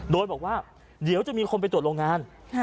โดยบอกว่าเดี๋ยวจะมีคนไปตรวจโรงงาน